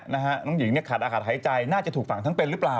น้องหญิงเนี่ยขาดอากาศหายใจน่าจะถูกฝังทั้งเป็นหรือเปล่า